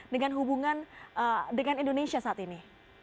dengan hubungan dengan indonesia saat ini